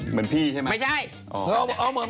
เหมือนพี่ใช่มั้ย